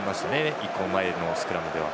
１個前のスクラムでは。